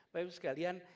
pak gubernur sekalian